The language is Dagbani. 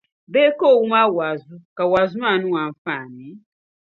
Bee ka o wum a wa’azu, ka wa’azu maa niŋ o anfaani?